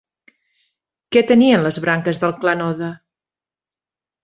Què tenien les branques del clan Oda?